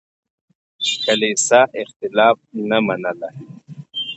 کليسا اختلاف نه منله.